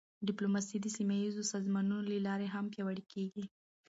ډیپلوماسي د سیمهییزو سازمانونو له لارې هم پیاوړې کېږي.